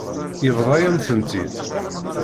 Yebḍa-yam-tent-id.